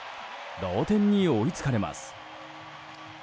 同点に追いつかれます。